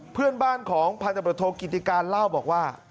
เพื่อนบ้านของพันธบทโทกิติการเล่าบอกว่า